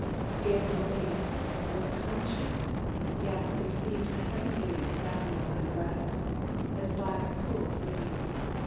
Scarce awake Or conscious, yet there seemed a heavy weight Bound on my breast, as by a cruel Fate.